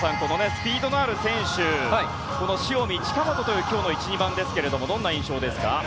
スピードのある選手の塩見、近本という今日の１、２番ですがどんな印象ですか？